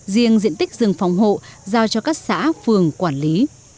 riêng diện tích rừng phòng hộ giao cho các xã phường quản lý